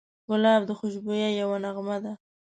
ګلاب د خوشبویۍ یوه نغمه ده.